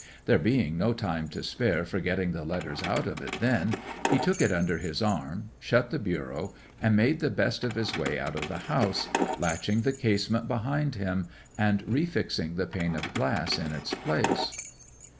There being no time to spare for getting the letters out of it then, he took it under his arm, shut the bureau, and made the best of his way out of the house, latching the casement behind him, and refixing the pane of glass in its place.